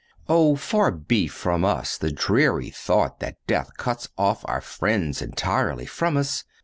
O far be from us the dreary thought that death cuts off our friends entirely from us!